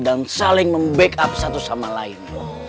saling membackup satu sama lain